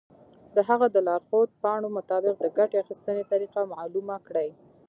د هغه د لارښود پاڼو مطابق د ګټې اخیستنې طریقه معلومه کړئ.